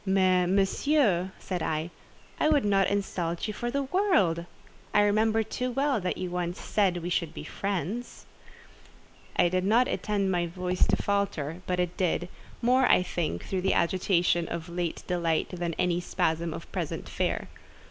"Mais, Monsieur," said I, "I would not insult you for the world. I remember too well that you once said we should be friends." I did not intend my voice to falter, but it did: more, I think, through the agitation of late delight than in any spasm of present fear.